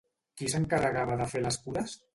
Qui s'encarregava de fer les cures?